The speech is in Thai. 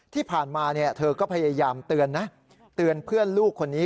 ที่ผ่านมาเธอก็พยายามเตือนนะเตือนเพื่อนลูกคนนี้